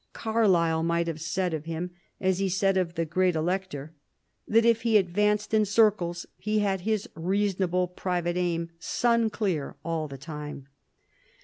Carlyle might have said of him, as he said of the great Elector, that, if he " advanced in circles," he had "his reasonable private aim sun clear all the time."